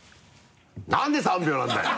何で３秒なんだよ！